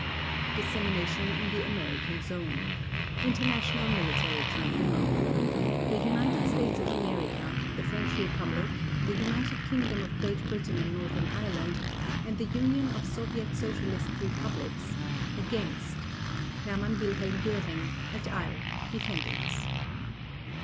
Dissemination in the American Zone INTERNATIONAL MILITARY TRIBUNAL THE UNITED STATES OF AMERICA, THE FRENCH REPUBLIC, THE UNITED KINGDOM OF GREAT BRITAIN AND NORTHERN IRELAND, and THE UNION OF SOVIET SOCIALIST REPUBLICS — against — HERMANN WILHELM GÖRING, et al., Defendants.